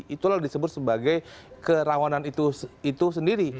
itulah disebut sebagai kerawanan itu sendiri